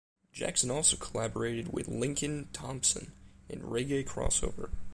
Jackson also collaborated with Lincoln Thompson in reggae crossover.